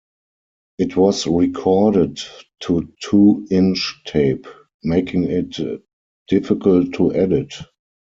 It was recorded to two-inch tape, making it difficult to edit.